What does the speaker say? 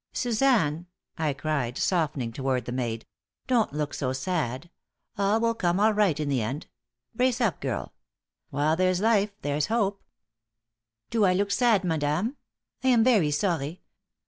"Suzanne," I cried, softening toward the maid, "don't look so sad. All will come right in the end. Brace up, girl. 'While there's life there's hope.'" "Do I look sad, madame? I am very sorry.